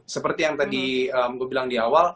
seperti yang tadi gue bilang di awal